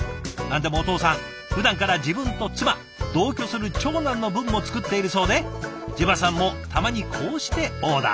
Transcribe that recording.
何でもお父さんふだんから自分と妻同居する長男の分も作っているそうでＪＥＶＡさんもたまにこうしてオーダー。